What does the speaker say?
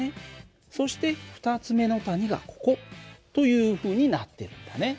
そして２つ目の谷がここというふうになってるんだね。